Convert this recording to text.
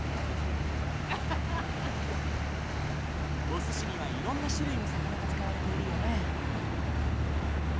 おすしにはいろんな種類の魚が使われているよね。